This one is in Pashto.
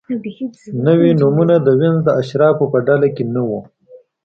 نوي نومونه د وینز د اشرافو په ډله کې نه وو.